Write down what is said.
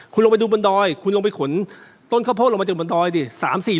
คุณลงไปดูบนดอยคุณลงไปขนต้นข้าวโพดลงมาจากบนดอยดิ